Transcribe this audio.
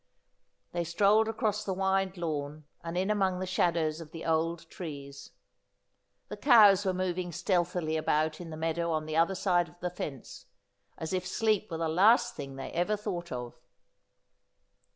They strolled across the wide lawn, and in among the shadows of the old trees. The cows were moving stealthily about in the meadow on the other side of the fence, as if sleep were the last thing they ever thought of.